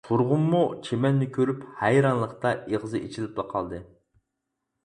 تۇرغۇنمۇ چىمەننى كۆرۈپ ھەيرانلىقتا ئېغىزى ئېچىلىپلا قالدى.